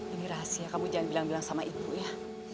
ini rahasia kamu jangan bilang bilang sama ibu ya